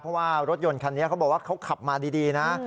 เพราะว่ารถยนต์คันนี้เขาบอกว่าเขาขับมาดีนะ